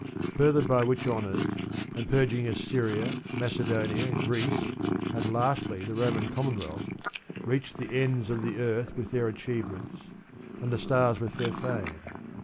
Furthered by which honours and purgings, Assyria, Macedonia, Greece, and lastly the Roman Commonwealth, reached the ends of the earth with their achievements, and the stars with their fame.